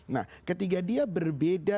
nah ketiga dia berbeda